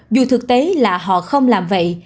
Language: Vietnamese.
dù thực tế là họ không làm vậy